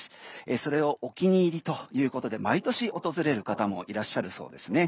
それをお気に入りということで毎年訪れる方もいらっしゃるそうですね。